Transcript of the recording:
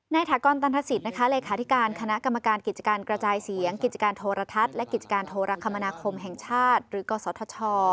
ถากรตันทศิษย์เลขาธิการคณะกรรมการกิจการกระจายเสียงกิจการโทรทัศน์และกิจการโทรคมนาคมแห่งชาติหรือกศธช